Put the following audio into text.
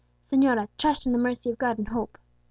"Señorita, trust in the mercy of God, and hope.